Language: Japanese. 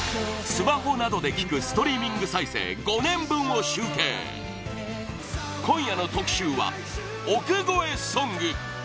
スマホなどで聴くストリーミング再生５年分を集計今夜の特集は、億超えソング